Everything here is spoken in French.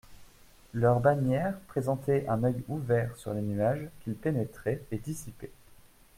Leur bannière présentait un oeil ouvert sur les nuages qu'il pénétrait et dissipait.